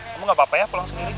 kamu gapapa ya pulang sendiri